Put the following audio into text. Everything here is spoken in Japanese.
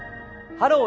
「ハロー！